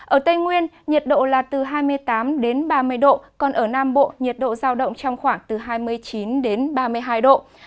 ở tây nguyên nhiệt độ là từ hai mươi tám ba mươi độ còn ở nam bộ nhiệt độ dao động trong khoảng hai mươi chín ba mươi hai độ